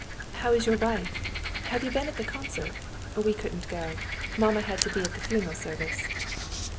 "How is your wife? Have you been at the concert? We couldn't go. Mamma had to be at the funeral service."